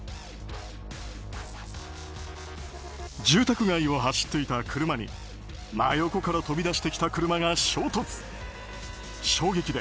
住宅街を走っていた車に真横から飛び出してきた車が衝突。